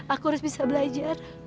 aku harus bisa belajar